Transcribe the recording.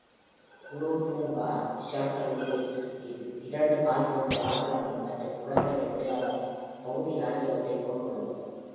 உள்ளூர் பூங்கா, ஷாட்டரி ஃபீல்ட்ஸ், இரண்டு கால்பந்து ஆடுகளங்கள் மற்றும் குழந்தைகள் விளையாடும் பகுதி ஆகியவற்றைக் கொண்டுள்ளது.